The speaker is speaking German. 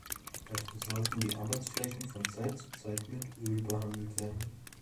Dafür sollte die Arbeitsfläche von Zeit zu Zeit mit Öl behandelt werden.